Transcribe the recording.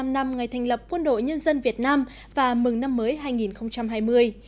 bảy mươi năm năm ngày thành lập quân đội nhân dân việt nam và mừng năm mới hai nghìn hai mươi